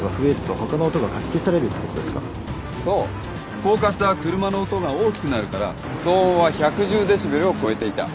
高架下は車の音が大きくなるから騒音は１１０デシベルを超えていた。